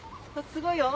すごいよ！